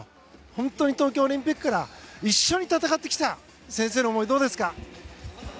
本当に東京オリンピックから一緒に戦ってきた先生の思い、どうですか。